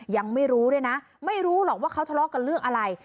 ยังไม่รู้ด้วยนะไม่รู้หรอกว่าเขาทะเลาะกันเรื่องอะไร